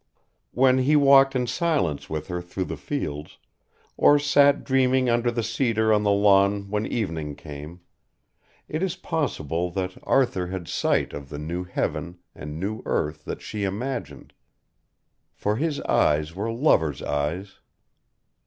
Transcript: When he walked in silence with her through the fields, or sat dreaming under the cedar on the lawn when evening came, it is possible that Arthur had sight of the new heaven and new earth that she imagined, for his eyes were lover's eyes.